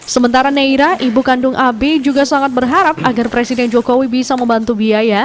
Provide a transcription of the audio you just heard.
sementara neira ibu kandung abi juga sangat berharap agar presiden jokowi bisa membantu biaya